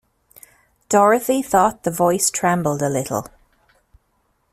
Dorothy thought the Voice trembled a little.